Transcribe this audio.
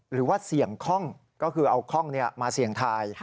หรือว่าเสี่ยงคล่องก็คือเอาคล่องมาเสี่ยงทาย